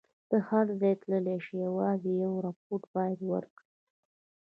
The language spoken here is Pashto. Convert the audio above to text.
ته هر ځای تللای شې، یوازې یو ریپورټ باید وکړي.